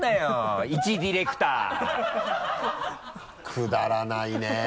くだらないねぇ。